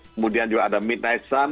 kemudian juga ada midnight sun